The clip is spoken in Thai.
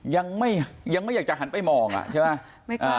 ยังไม่ยังไม่อยากจะหันไปมองอ่ะใช่ปะไม่กลัวมองค่ะ